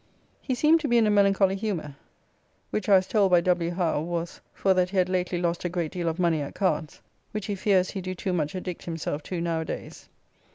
He seemed to be in a melancholy humour, which, I was told by W. Howe, was for that he had lately lost a great deal of money at cards, which he fears he do too much addict himself to now a days.